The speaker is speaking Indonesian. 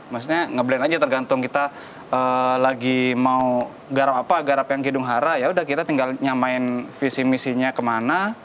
maksudnya ngeblend aja tergantung kita lagi mau garap yang kidung hara yaudah kita tinggal nyamain visi misinya kemana